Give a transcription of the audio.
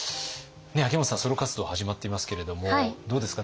秋元さんソロ活動始まっていますけれどもどうですか？